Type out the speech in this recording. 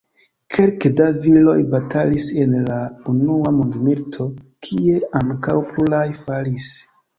Kelke da viroj batalis en la unua mondmilito, kie ankaŭ pluraj falis.